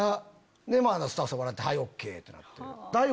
でまぁスタッフさんが笑って「はいＯＫ」ってなって。